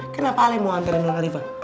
kenapa ali mau hantar nona riva